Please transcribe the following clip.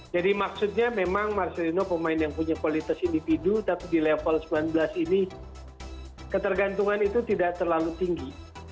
jadi maksudnya memang marcelino pemain yang punya kualitas individu tapi di level sembilan belas ini ketergantungan itu tidak terlalu tinggi